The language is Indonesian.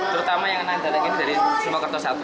terutama yang datang dari simokerto satu